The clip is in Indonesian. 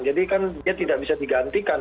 jadi kan dia tidak bisa digantikan